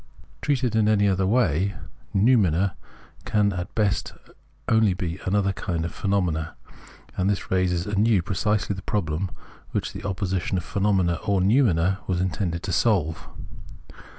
Treated in any other way, noumena can at best be only another kind of phenomena ; and this raises anew precisely the problem which the opposition of phenomena or noumena was intended to solve.